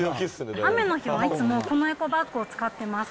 雨の日もいつも、このエコバッグを使ってます。